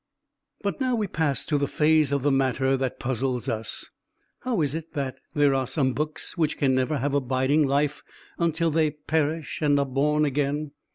But now we pass to the phase of the matter that puzzles us. How is it that there are some books which can never have abiding life until they perish and are born again?